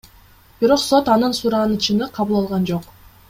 Бирок сот анын суранычына кабыл алган жок.